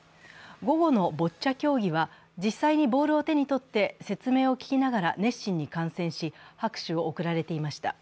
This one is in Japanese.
午後のボッチャ競技は実際にボールを手にとって説明を聞きながら熱心に観戦し、拍手を送られていました。